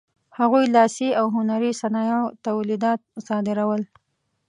هغوی لاسي او هنري صنایعو تولیدات صادرول.